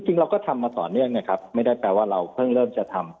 จริงเราก็ทำมาต่อเนื่องไงครับไม่ได้แปลว่าเราเพิ่งเริ่มจะทำ